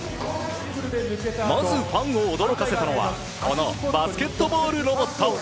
まずファンを驚かせたのはこのバスケットボールロボット。